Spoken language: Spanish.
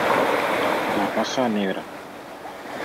la caja negra.